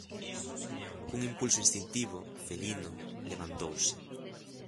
Cun impulso instintivo, felino, levantouse;